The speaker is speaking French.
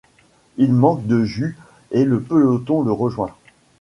Il manque de jus et le peloton le rejoint.